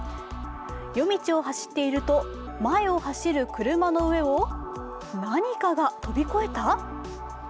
夜道を走っていると前を走る車の上を何かが飛び越えた！？